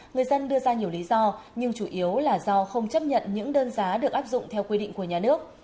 người dân đưa ra nhiều lý do nhưng chủ yếu là do không chấp nhận những đơn giá được áp dụng theo quy định của nhà nước